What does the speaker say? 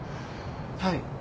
はい。